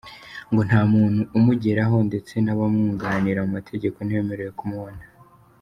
Ngo nta muntu umugeraho, ndetse n’abamwunganira mu mategeko ntibemerewe ku mubona.